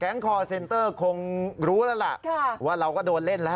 คอร์เซ็นเตอร์คงรู้แล้วล่ะว่าเราก็โดนเล่นแล้ว